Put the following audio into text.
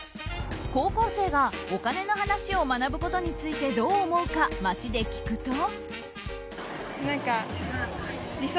高校生がお金の話を学ぶことについてどう思うか、街で聞くと。